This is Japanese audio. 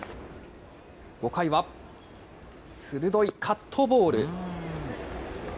５回は鋭いカットボール。